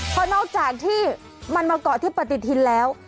เพราะนอกจากที่มันมาเกาะที่ปฏิทินแล้ว